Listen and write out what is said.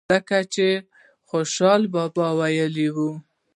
لکه چې خوشحال بابا وئيلي وو۔